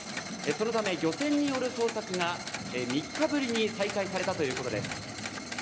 そのため、漁船による捜索が３日ぶりに再開されたということです。